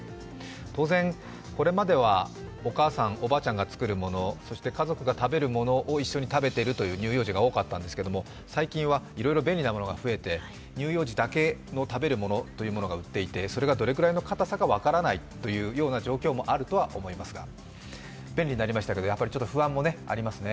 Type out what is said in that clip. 当然、これまでは、お母さん、おばあちゃんが作るもの、そして家族が食べるものを一緒に食べているという乳幼児が多かったんですが、最近はいろいろ便利なものが増えて乳幼児だけ食べるものというのが売っていてそれがどれくらいの硬さか分からないという状況もあるとは思いますが、便利になりましたけれども不安もありますね。